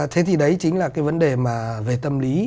thế thì đấy chính là cái vấn đề mà về tâm lý